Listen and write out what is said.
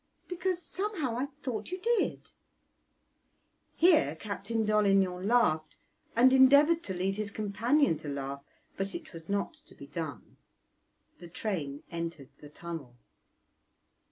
'Because somehow I thought you did!'" Here Captain Dolignan laughed and endeavoured to lead his companion to laugh, but it was not to be done. The train entered the tunnel.